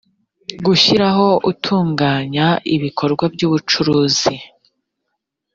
gushyiraho utunganya ibikorwa by ubucuruzi